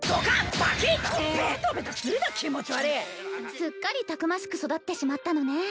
すっかりたくましく育ってしまったのね。